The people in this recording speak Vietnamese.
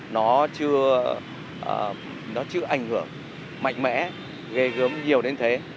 nó chưa nó chưa ảnh hưởng mạnh mẽ ghê gớm nhiều đến thế